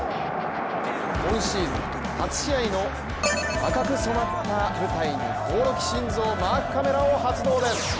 今シーズン、初試合の赤く染まった舞台に興梠慎三マークカメラを発動です。